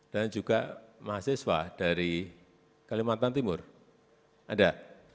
dan juga mahasiswa dari kalimantan timur ada